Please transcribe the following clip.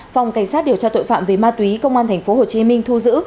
phòng cảnh sát điều tra tội phạm về ma túy công an tp hcm thu giữ